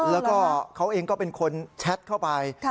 แล้วก็เขาเองก็เป็นคนแชทเข้าไป